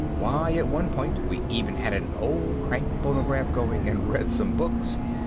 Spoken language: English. Why, at one point we even had an old crank phonograph going and read some books.